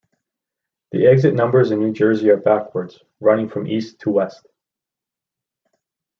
The exit numbers in New Jersey are backwards, running from east to west.